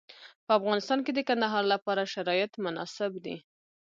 په افغانستان کې د کندهار لپاره شرایط مناسب دي.